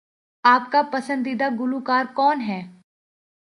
آپ کا پسندیدہ گلوکار کون ہے؟